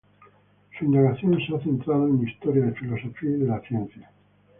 Su indagación se ha centrado en historia de filosofía y de la ciencia.